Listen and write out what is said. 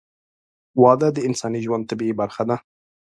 • واده د انساني ژوند طبیعي برخه ده.